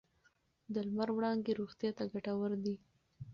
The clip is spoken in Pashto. د لمر وړانګې روغتیا ته ګټورې دي.